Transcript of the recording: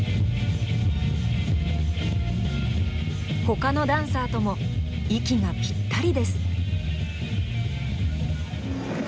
他のダンサーとも息がぴったりです。